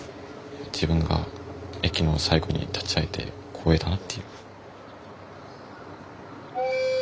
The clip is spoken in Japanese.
自分が駅の最後に立ち会えて光栄だなっていう。